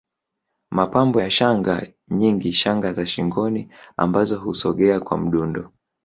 Mapambo ya shanga nyingi shanga za shingoni ambazo husogea kwa mdundo